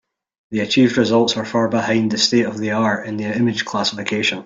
The achieved results are far behind the state-of-the-art in image classification.